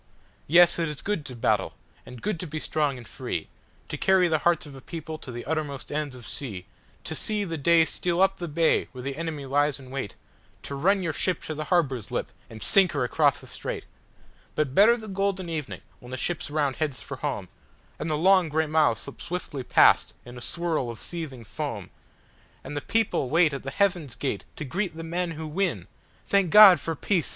Yes, it is good to battle, and good to be strong and free, To carry the hearts of a people to the uttermost ends of sea, To see the day steal up the bay where the enemy lies in wait, To run your ship to the harbor's lip and sink her across the strait:—But better the golden evening when the ships round heads for home, And the long gray miles slip swiftly past in a swirl of seething foam, And the people wait at the haven's gate to greet the men who win! Thank God for peace!